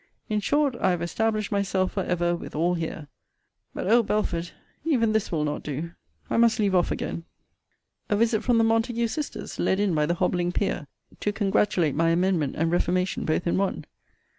In short, I have established myself for ever with all here. But, O Belford, even this will not do I must leave off again. * See Vol. VII. Letter LXXXI. A visit from the Montague sisters, led in by the hobbling Peer, to congratulate my amendment and reformation both in one.